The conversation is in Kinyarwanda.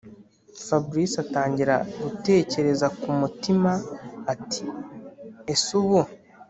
fabric atangira gutekereza kumutima ati”ese ubu